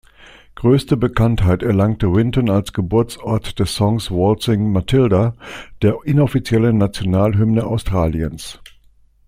Größte Bekanntheit erlangte Winton als Geburtsort des Songs Waltzing Matilda, der inoffiziellen Nationalhymne Australiens.